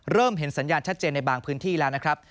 เห็นสัญญาณชัดเจนในบางพื้นที่แล้วนะครับ